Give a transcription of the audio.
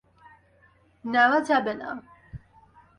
নেওয়া যাবে না।